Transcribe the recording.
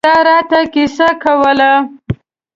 چا راته کیسه کوله.